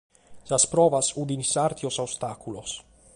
Sas provas fiant sàrtios a ostàculos.